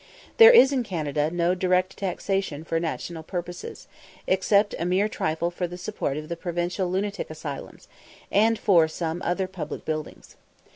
There is in Canada no direct taxation for national purposes, except a mere trifle for the support of the provincial lunatic asylums, and for some other public buildings.